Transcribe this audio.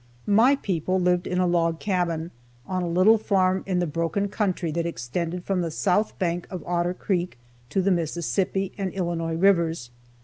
My people lived in a log cabin, on a little farm in the broken country that extended from the south bank of Otter creek to the Mississippi and Illinois rivers.